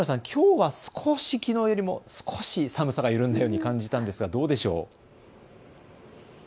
きょうは少しきのうよりも寒さが緩んだように感じたんですが、どうでしょうか。